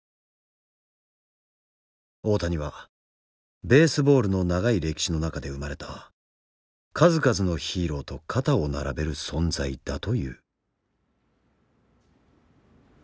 大谷はベースボールの長い歴史の中で生まれた数々のヒーローと肩を並べる存在だという。